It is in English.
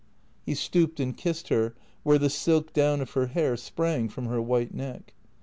He stooped and kissed her where the silk down of her hair sprang from her white neck.